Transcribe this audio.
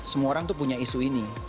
semua orang tuh punya isu ini